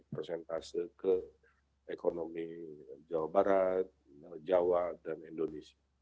persentase ke ekonomi jawa barat jawa dan indonesia